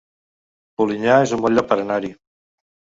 Polinyà es un bon lloc per anar-hi